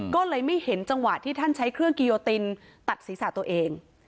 ก็เลยไม่เห็นจังหวะที่ท่านใช้เครื่องกิโยตินตัดศีรษะตัวเอง